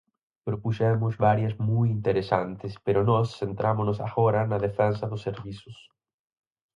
Propuxemos varias moi interesantes, pero nós centrámonos agora na defensa dos servizos.